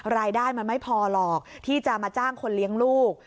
รายได้มันไม่พอหรอกที่จะมาจ้างคนเลี้ยงลูก